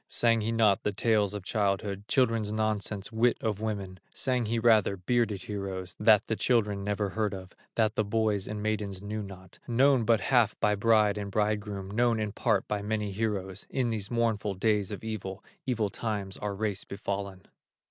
Sang he not the tales of childhood, Children's nonsense, wit of women, Sang he rather bearded heroes, That the children never heard of, That the boys and maidens knew not, Known but half by bride and bridegroom, Known in part by many heroes, In these mournful days of evil, Evil times our race befallen.